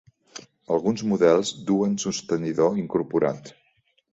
Alguns models duen sostenidor incorporat.